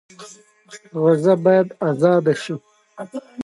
یوټوبر دې د خلکو تجربې سپکاوی نه کړي.